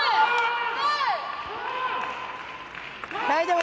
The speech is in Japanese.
はい！